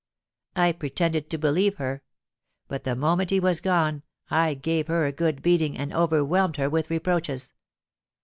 I pretended to believe her; but the moment he was gone, I gave her a good beating and overwhelmed her with reproaches.